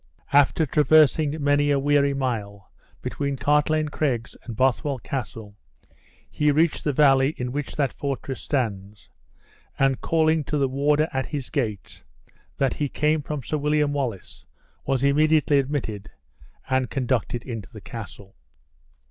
After traversing many a weary mile, between Cartlane Craigs and Bothwell Castle, he reached the valley in which that fortress stands, and calling to the warder at his gates, that he came from Sir William Wallace, was immediately admitted, and conducted into the castle.